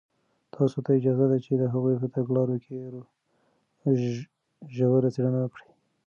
تاسو ته اجازه ده چې د هغوی په تګلارو کې ژوره څېړنه وکړئ.